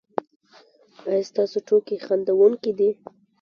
ایا ستاسو ټوکې خندونکې دي؟